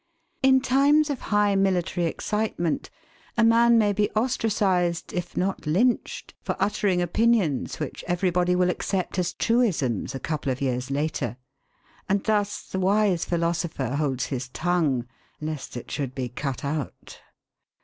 In times of high military excitement a man may be ostracised if not lynched for uttering opinions which everybody will accept as truisms a couple of years later, and thus the wise philosopher holds his tongue lest it should be cut out.